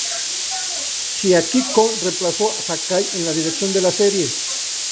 Chiaki Kon reemplazó a Sakai en la dirección de la serie.